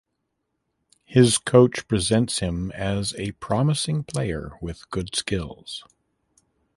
His coach presents him as "a promising player with good skills".